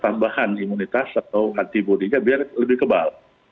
tambahan imunitas atau antibody nya biar lebih kebal